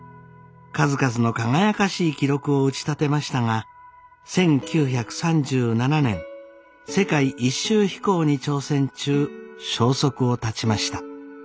数々の輝かしい記録を打ちたてましたが１９３７年世界一周飛行に挑戦中消息を絶ちました。